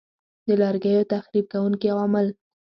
د لرګیو تخریب کوونکي عوامل